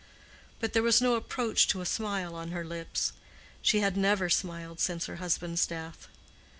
But there was no approach to a smile on her lips. She had never smiled since her husband's death.